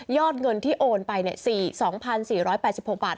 เงินที่โอนไป๒๔๘๖บาท